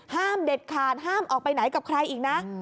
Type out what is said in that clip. ห้ามเด็ดขาดห้ามออกไปไหนกับใครอีกนะ